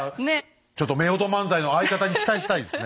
ちょっと夫婦漫才の相方に期待したいですね